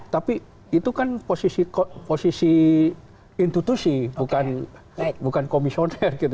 tapi itu kan posisi institusi bukan komisioner gitu